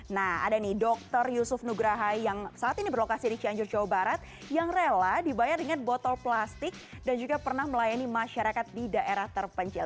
nah ada nih dokter yusuf nugraha yang saat ini berlokasi di cianjur jawa barat yang rela dibayar dengan botol plastik dan juga pernah melayani masyarakat di daerah terpencil